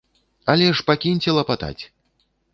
Але ж пакіньце лапатаць!